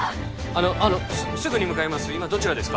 あのあのすぐに向かいます